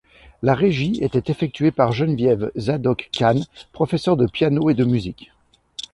La régie était effectuée par Geneviève Zadoc-Kahn, professeur de piano et de musique.